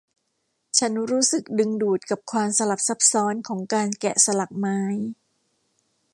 ฉันรู้สึกดึงดูดกับความสลับซับซ้อนของการแกะสลักไม้